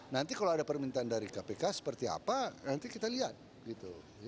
nanti kalau ada permintaan dari kpk seperti apa nanti kita lihat gitu